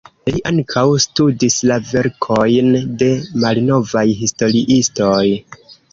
Li ankaŭ studis la verkojn de malnovaj historiistoj.